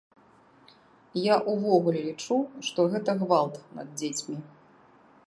Я ўвогуле лічу, што гэта гвалт над дзецьмі.